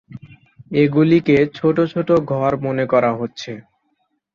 এগুলিকে ছোটো ছোটো ঘর মনে করা হচ্ছে।